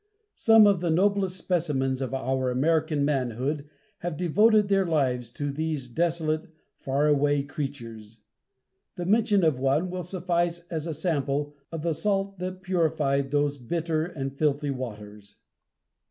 Some of the noblest specimens of our American manhood have devoted their lives to these desolate, far away creatures. The mention of one will suffice as a sample of the salt that purified those bitter and filthy waters.